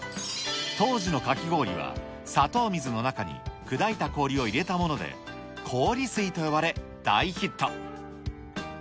当時のかき氷は、砂糖水の中に砕いた氷を入れたもので、氷水と呼ばれ、大ヒット。